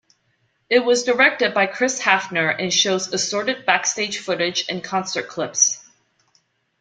It was directed by Chris Hafner and shows assorted backstage footage and concert clips.